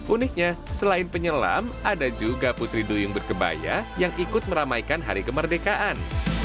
uniknya selain penyelam ada juga putri duyung berkebaya yang ikut meramaikan hari kemerdekaan